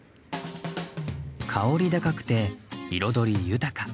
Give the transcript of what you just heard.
香り高くて、彩り豊か。